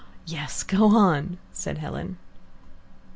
"Yes, go on," said Helen.